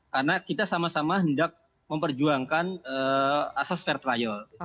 karena kita sama sama hendak memperjuangkan asas fair trial